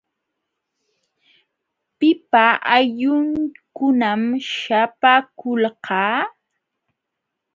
¿Pipa aylllunkunam śhapaakulqa?